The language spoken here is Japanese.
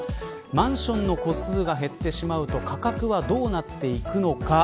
マンションの戸数が減ってしまうと価格はどうなっていくのか。